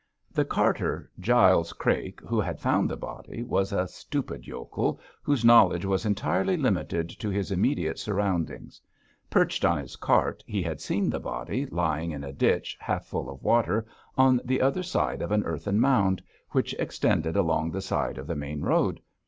The carter, Giles Crake, who had found the body, was a stupid yokel whose knowledge was entirely limited to his immediate surroundings. Perched on his cart, he had seen the body lying in a ditch half full of water, on the other side of an earthen mound, which extended along the side of the main road.